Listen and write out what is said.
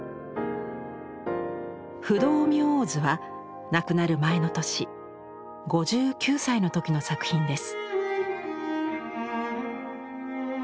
「不動明王図」は亡くなる前の年５９歳の時の作品です。